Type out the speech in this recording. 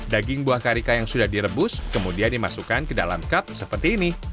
daging buah karika yang sudah direbus kemudian dimasukkan ke dalam cup seperti ini